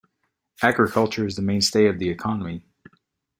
Agriculture is the mainstay of the economy.